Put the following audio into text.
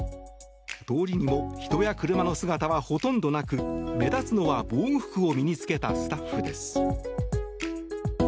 通りにも、人や車の姿はほとんどなく目立つのは防護服を身に着けたスタッフです。